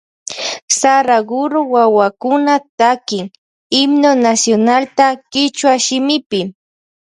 Saraguro wawakuna takin himno nacionalta kichwa shimipi.